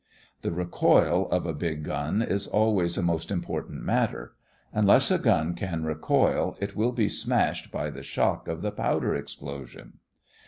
The recoil of a big gun is always a most important matter. Unless a gun can recoil, it will be smashed by the shock of the powder explosion.